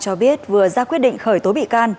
cho biết vừa ra quyết định khởi tố bị can